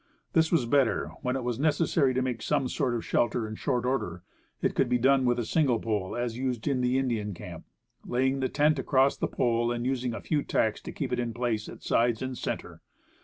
This was better; when it was necessary to make some sort of shelter in short order, it could be done with a single pole as used in the Indian camp, laying the tent across the pole, and using a few tacks to keep it in place at sides and center.